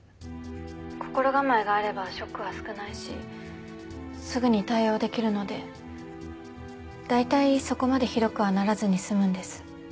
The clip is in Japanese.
心構えがあればショックは少ないしすぐに対応できるので大体そこまでひどくはならずに済むんです。